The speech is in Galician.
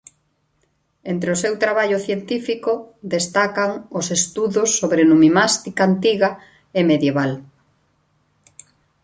Entre o seu traballo científico destacan os estudos sobre numismática antiga e medieval.